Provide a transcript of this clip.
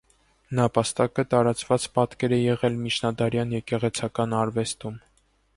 Նապաստակը տարածված պատկեր է եղել միջնադարյան եկեղեցական արվեստում։